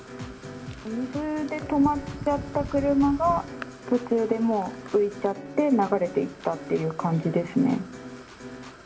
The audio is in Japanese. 水で止まっちゃった車が、途中でもう浮いちゃって、流れていったっていう感じですね。